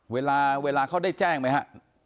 เวลาเขาได้แจ้งไหมฮะ